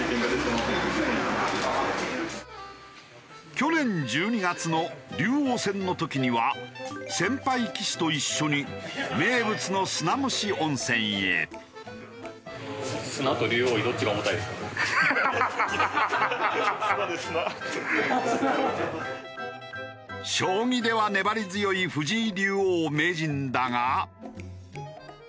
去年１２月の竜王戦の時には先輩棋士と一緒に名物の将棋では粘り強い藤井竜王・名人だが。